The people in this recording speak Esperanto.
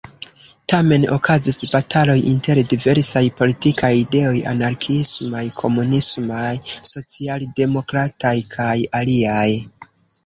Tamen okazis bataloj inter diversaj politikaj ideoj, anarkiismaj, komunismaj, socialdemokrataj kaj aliaj.